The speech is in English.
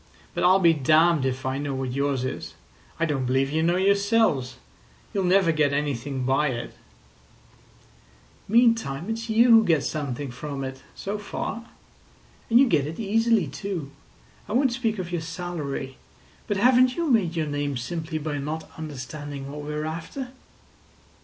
But I'll be damned if I know what yours is. I don't believe you know yourselves. You'll never get anything by it." "Meantime it's you who get something from it—so far. And you get it easily, too. I won't speak of your salary, but haven't you made your name simply by not understanding what we are after?"